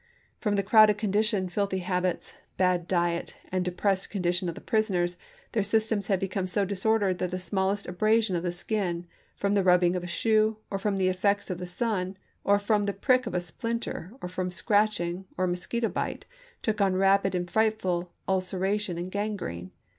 From the crowded condition, filthy habits, bad diet, and depressed con dition of the prisoners, their systems had become so disordered that the smallest abrasion of the skin, from the rubbing of a shoe, or from the effects of the sun, or from the prick of a splinter, or from scratching, or a mosquito bite, took on rapid and frightful ulceration and gangrene.